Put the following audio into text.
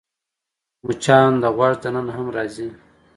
مچان د غوږ دننه هم راځي